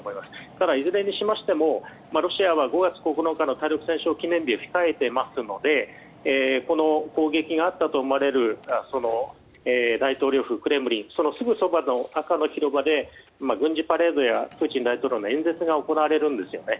ただ、いずれにしましてもロシアは５月９日の対独戦勝記念日を控えていますのでこの攻撃があったと思われる大統領府、クレムリンそのすぐそばの赤の広場で軍事パレードやプーチン大統領の演説が行われるんですよね。